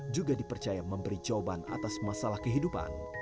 juga dipercaya memberi jawaban atas masalah kehidupan